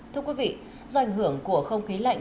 thưa quý vị do ảnh hưởng của không khí lạnh